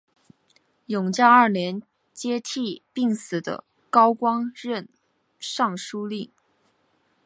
永嘉二年接替病死的高光任尚书令。